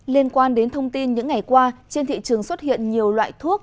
liên quan đến thông tin những ngày qua trên thị trường xuất hiện nhiều loại thuốc